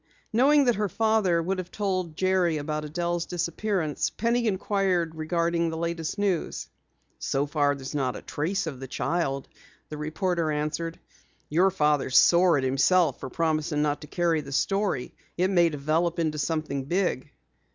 Knowing that her father would have told Jerry about Adelle's disappearance, Penny inquired regarding the latest news. "So far there's not a trace of the child," the reporter answered. "Your father's sore at himself for promising not to carry the story. It may develop into something big."